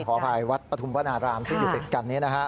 ขออภัยวัดปฐุมพนาศรามซึ่งอยู่ตรงนี้